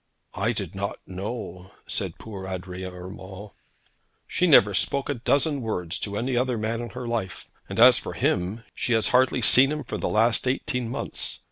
'I did not know,' said poor Adrian Urmand. 'She never spoke a dozen words to any other man in her life, and as for him, she has hardly seen him for the last eighteen months.